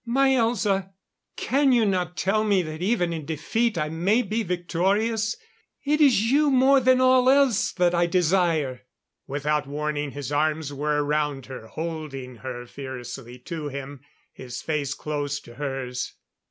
"My Elza! Can you not tell me that even in defeat I may be victorious? It is you more than all else that I desire." Without warning his arms were around her, holding her fiercely to him, his face close to hers.